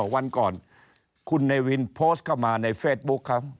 วันก่อนคุณเนวินโพสต์เข้ามาในเฟซบุ๊คเขา